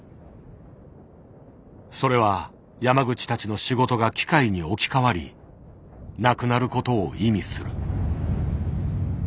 それは山口たちの仕事が機械に置き換わりなくなることを意味する。